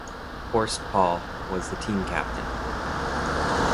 Horst Paul was the team captain.